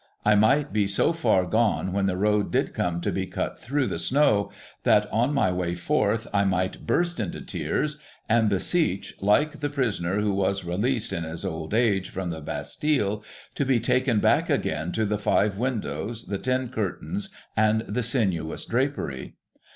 I might be so far gone when the road did come to be cut through the snow, that, on my way forth, I might burst into tears, and beseech, like the prisoner who was released in his old age from the Bastille, to be taken back again to the five windows, the ten curtains, and the sinuous drapery.